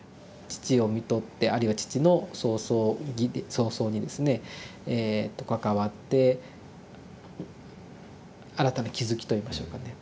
父をみとってあるいは父の葬送儀葬送儀ですね関わって新たな気付きといいましょうかね。